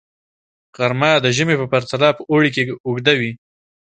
غرمه د ژمي په پرتله په اوړي کې اوږده وي